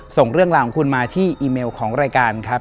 ส่งเรื่องราวของคุณมาที่อีเมลของรายการครับ